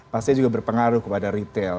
pastinya juga berpengaruh kepada retail